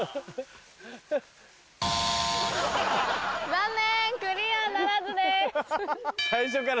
残念クリアならずです。